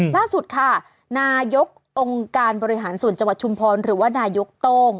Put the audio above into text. ล่าสุดค่ะนายกองค์การบริหารส่วนจังหวัดชุมพรหรือว่านายกโต้ง